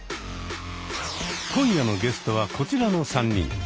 今夜のゲストはこちらの３人。